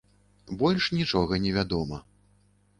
Больш нічога не вядома.